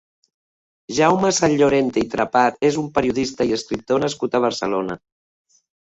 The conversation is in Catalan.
Jaume Sanllorente i Trepat és un periodista i escriptor nascut a Barcelona.